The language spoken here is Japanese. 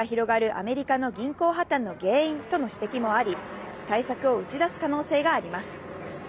アメリカの銀行破綻の原因との指摘もあり、対策を打ち出す可能性があります。